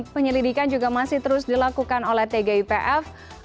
penyelidikan juga masih terus dilakukan oleh tgipf